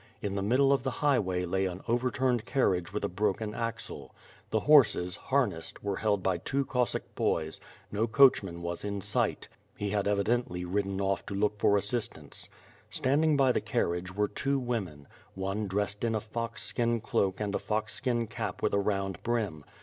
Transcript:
In the middle of the highway lay an overturned carriage with a broken axle. The horses, harnessed, were held by iwo Cossack })oys: no coach man was in sight. He had evidently ridden off to look for 40 WITE FIRE AND SWORD. assistance. Standing by the carriage were two women: one dressed in a fox skin cloak and a fox skin cap with a round brim.